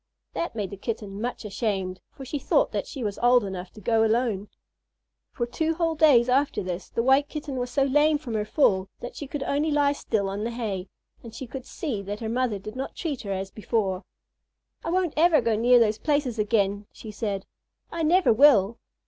That made the Kitten much ashamed, for she thought that she was old enough to go alone. For two whole days after this the White Kitten was so lame from her fall that she could only lie still on the hay, and she could see that her mother did not treat her as before. "I won't ever go near those places again," she said. "I never will."